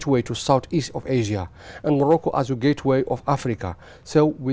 vì vậy chúng tôi đã nói rằng chúng tôi đang bắt đầu với hà nội